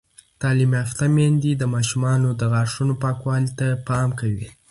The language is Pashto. تعلیم یافته میندې د ماشومانو د غاښونو پاکوالي ته پام کوي.